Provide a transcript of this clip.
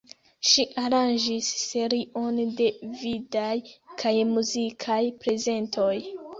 Ŝi aranĝis serion de vidaj kaj muzikaj prezentoj.